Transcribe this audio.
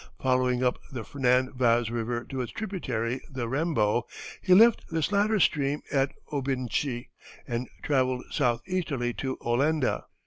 Following up the Fernand Vaz River to its tributary, the Rembo, he left this latter stream at Obindshi and travelled southeasterly to Olenda.